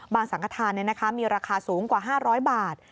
สังขทานมีราคาสูงกว่า๕๐๐บาท